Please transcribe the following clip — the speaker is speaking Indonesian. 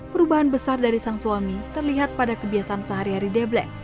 perubahan besar dari sang suami terlihat pada kebiasaan sehari hari debleng